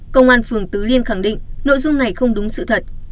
công an phường tứ liêm khẳng định nội dung này không đúng sự thật